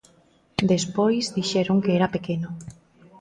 Despois dixeron que era pequeno.